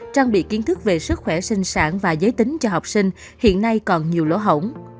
trang bị kiến thức về sức khỏe sinh sản và giới tính cho học sinh hiện nay còn nhiều lỗ hổng